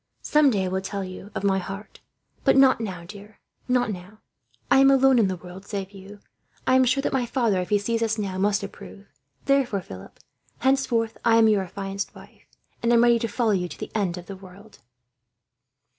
Some day I will tell you of my heart, but not now, dear not now. I am alone in the world, save you. I am sure that my father, if he now sees us, must approve. Therefore, Philip, henceforth I am your affianced wife, and am ready to follow you to the end of the world."